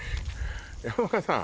山岡さん